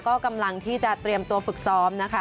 ก็กำลังที่จะเตรียมตัวฝึกซ้อมนะคะ